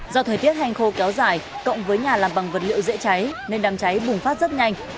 do thời tiết hành khô kéo dài cộng với nhà làm bằng vật liệu dễ cháy nên đám cháy bùng phát rất nhanh